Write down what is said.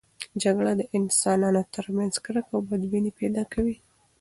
جګړه د انسانانو ترمنځ کرکه او بدبیني پیدا کوي.